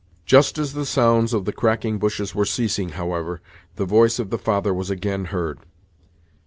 Just as the sounds of the cracking bushes were ceasing, however, the voice of the father was again heard.